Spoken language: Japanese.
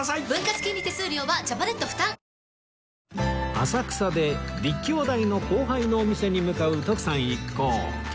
浅草で立教大の後輩のお店に向かう徳さん一行